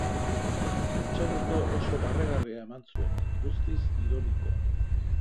Prentsaurreko oso barregarria eman zuen, guztiz ironikoa.